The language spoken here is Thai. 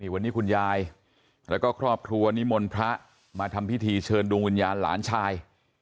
วันนี้คุณยายแล้วก็ครอบครัวนิมนต์พระมาทำพิธีเชิญดวงวิญญาณหลานชาย